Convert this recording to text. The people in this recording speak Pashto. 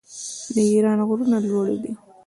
د ایران غرونه لوړ دي.